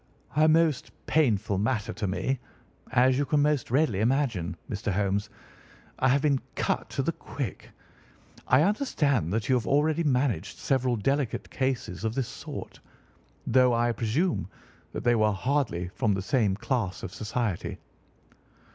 "A most painful matter to me, as you can most readily imagine, Mr. Holmes. I have been cut to the quick. I understand that you have already managed several delicate cases of this sort, sir, though I presume that they were hardly from the same class of society."